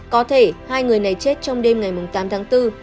có thể hai người này chết trong đêm ngày tám tháng bốn